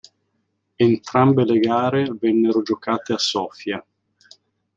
Entrambe le gare vennero giocate a Sofia.